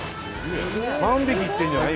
３匹いってんじゃない？